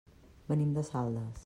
Venim de Saldes.